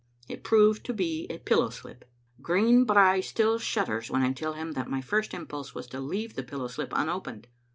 It proved to be a pillow slip. Green Brae still shudders when I tell him that my first impulse was to leave the pillow slip un» opened.